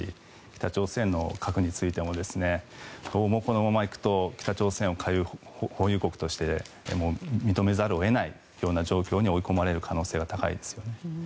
北朝鮮の核についてもどうもこのまま行くと北朝鮮を核保有国として認めざるを得ないような状況に追い込まれる可能性が高いですよね。